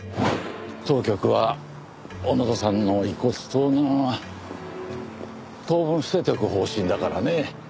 当局は小野田さんの遺骨盗難は当分伏せておく方針だからね。